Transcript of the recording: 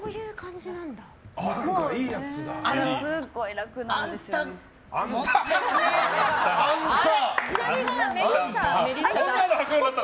すごい楽なんですよね。あんた！？